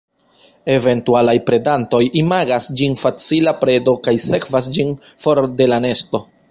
Eventualaj predantoj imagas ĝin facila predo kaj sekvas ĝin for de la nesto.